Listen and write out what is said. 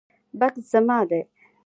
بکس زما دی